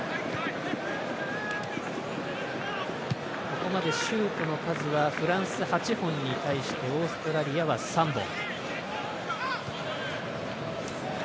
ここまでシュートの数はフランス８本に対してオーストラリアは３本。